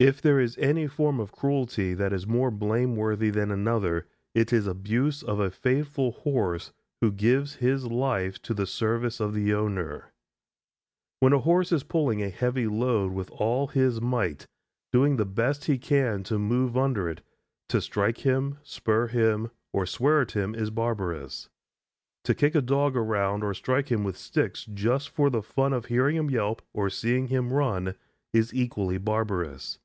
If there is any form of cruelty that is more blameworthy than another, it is abuse of a faithful horse who gives his life to the service of the owner. When a horse is pulling a heavy load with all his might, doing the best he can to move under it, to strike him, spur him, or swear at him is barbarous. To kick a dog around or strike him with sticks just for the fun of hearing him yelp or seeing him run, is equally barbarous.